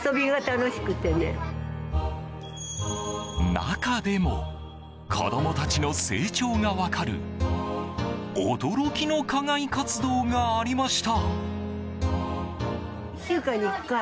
中でも子供たちの成長が分かる驚きの課外活動がありました。